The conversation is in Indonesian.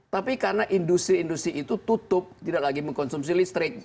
tapi karena industri industri itu tutup tidak lagi mengkonsumsi listrik